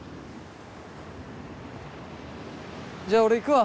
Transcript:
じゃあ俺行くわ。